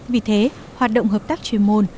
vì thế hoạt động hợp tác chuyên môn